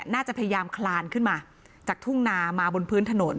น่าจะพยายามคลานขึ้นมาจากทุ่งนามาบนพื้นถนน